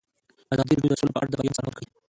ازادي راډیو د سوله په اړه د بریاوو مثالونه ورکړي.